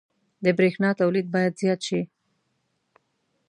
• د برېښنا تولید باید زیات شي.